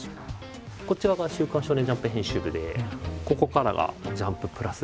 こっち側が「週刊少年ジャンプ」編集部でここからが「ジャンプ＋」編集部になります。